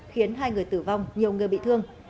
khiến hai người tử vong nhiều người bị thương